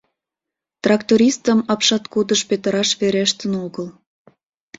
Трактористым апшаткудыш петыраш верештын огыл.